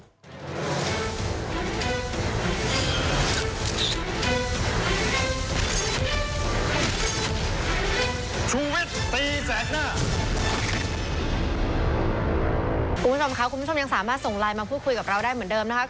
คุณผู้ชมค่ะคุณผู้ชมยังสามารถส่งไลน์มาพูดคุยกับเราได้เหมือนเดิมนะคะ